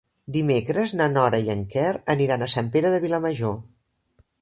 Dimecres na Nora i en Quer aniran a Sant Pere de Vilamajor.